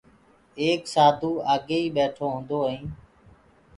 ايڪ سآڌوٚ آگيئيٚ ٻيٺو هُونٚدو ائينٚ